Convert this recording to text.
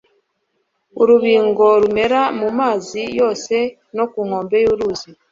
urubingo rumera mu mazi yose no ku nkombe z'uruzi